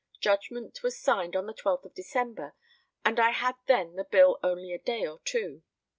Judgment was signed on the 12th of December, and I had then had the bill only a day or two.